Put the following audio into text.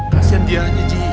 kasian dia aja ji